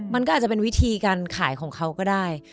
มันก็อาจจะเป็นวิธีการขายของเขาก็ได้